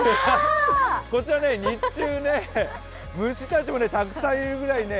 こちら日中ね、虫たちもたくさんいるぐらいね